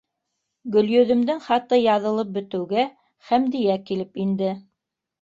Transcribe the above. Гөлйөҙөмдөң хаты яҙылып бөтөүгә, Хәмдиә килеп инде.